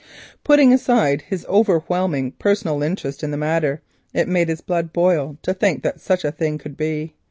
Putting aside his overwhelming personal interest in the matter, it made his blood boil to think that such a thing could be.